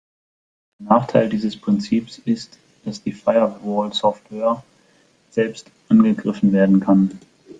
Ein Nachteil dieses Prinzips ist, dass die Firewallsoftware selbst angegriffen werden kann.